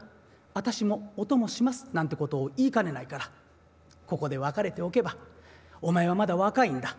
『私もお供します』なんてことを言いかねないからここで別れておけばお前はまだ若いんだ。